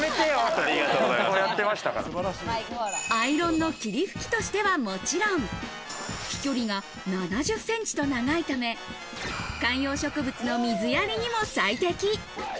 アイロンの霧吹きとしては、もちろん、飛距離が７０ｃｍと長いため、観葉植物の水やりにも最適。